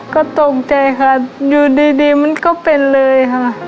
ก็ตกใจค่ะอยู่ดีมันก็เป็นเลยค่ะ